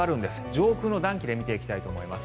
上空の暖気で見ていきたいと思います。